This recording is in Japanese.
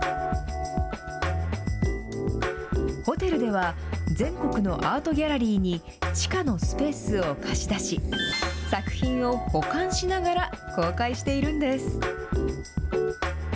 ホテルでは、全国のアートギャラリーに地下のスペースを貸し出し、作品を保管しながら公開しているんです。